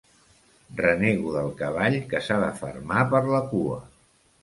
Renego del cavall que s'ha de fermar per la cua.